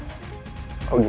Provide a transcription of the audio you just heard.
tidak tidak tidak